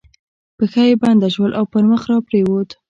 پښه یې بنده شول او پر مخ را پرېوت.